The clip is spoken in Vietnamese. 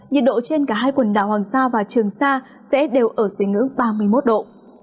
nhiệt độ trên cả hai quần đảo hoàng sa và trường sa sẽ đều ở dưới ngưỡng ba mươi một độ